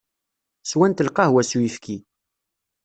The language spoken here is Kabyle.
Swant lqahwa s uyefki.